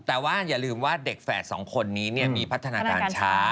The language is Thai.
แต่ว่าอย่าลืมว่าเด็กแฝดสองคนนี้มีพัฒนาการช้า